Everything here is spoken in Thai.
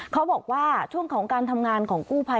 เขาบอกว่าช่วงของการทำงานของกู้ภัย